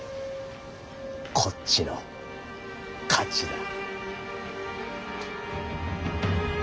こっちの勝ちだ。